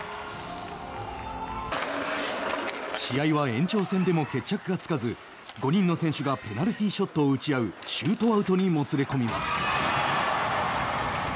試合は延長戦でも決着がつかず５人の選手がペナルティーショットを打ち合うシュートアウトにもつれ込みます。